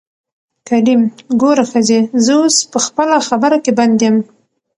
کريم : ګوره ښځې زه اوس په خپله خبره کې بند يم.